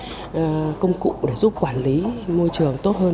là một công cụ để giúp quản lý môi trường tốt hơn